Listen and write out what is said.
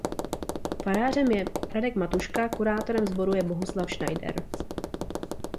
Farářem je Radek Matuška kurátorem sboru je Bohuslav Schneider.